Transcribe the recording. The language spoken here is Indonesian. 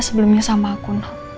sebelumnya sama aku